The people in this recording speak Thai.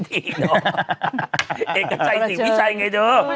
เอกชัยสิพี่ชัยไงเธอ